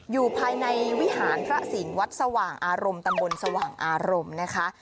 อยู่ภายในวิหารพระสิงห์วัดสว่างอารมณ์ตำบลสว่างอารมณ์นะคะ